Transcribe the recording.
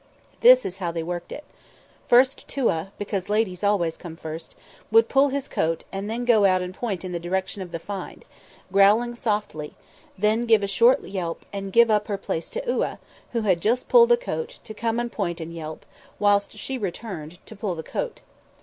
This is how they worked it. First Touaa, because ladies always come first, would pull his coat and then go out and point in the direction of the find, growling softly, then give a short yelp and give up her place to Iouaa, who had just pulled the coat, to come and point and yelp, whilst she returned, to pull the coat.